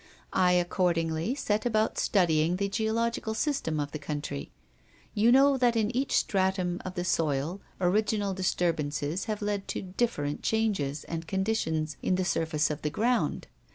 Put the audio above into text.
"I accordingly set about studying the geological system of the country. You know that in each stratum of the soil original disturbances have led to different changes and conditions in the surface of the ground.